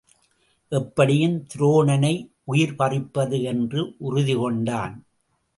எப்படியும் துரோணனை உயிர் பறிப்பது என்று உறுதிகொண்டான்.